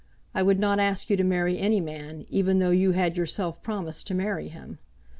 I would not ask you to marry any man, even though you had yourself promised to marry him.